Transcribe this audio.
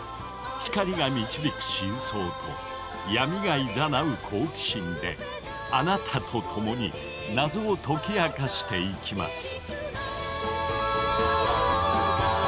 光が導く真相と闇がいざなう好奇心であなたと共に謎を解き明かしていきます。